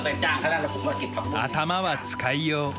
頭は使いよう。